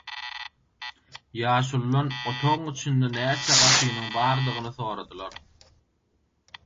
Ýaşulydan otagyň içinde näçe gapynyň bardygyny soradylar.